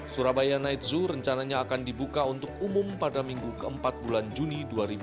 surabaya night zoo rencananya akan dibuka untuk umum pada minggu keempat bulan juni dua ribu dua puluh